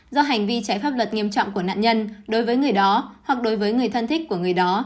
do hành vi trái pháp luật nghiêm trọng của nạn nhân đối với người đó hoặc đối với người thân thích của người đó